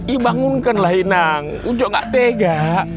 ibangunkanlah inang ucok nggak tega